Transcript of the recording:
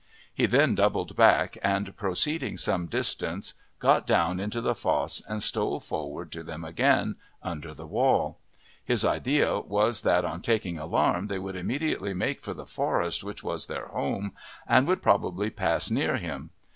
He then doubled back and, proceeding some distance, got down into the fosse and stole forward to them again under the wall. His idea was that on taking alarm they would immediately make for the forest which was their home, and would probably pass near him.